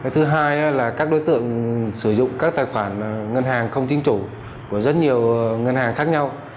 thứ hai là các đối tượng sử dụng các tài khoản ngân hàng không chính chủ của rất nhiều ngân hàng khác nhau